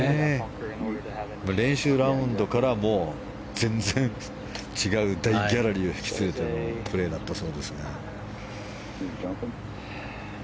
練習ラウンドからもう全然、違う大ギャラリーを引き連れてのプレーだったそうですが。